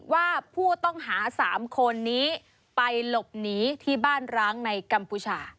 ว่าผู้ต้องหา๓คนนี้ไปหลบหนีที่บ้านร้างในกัมพูชา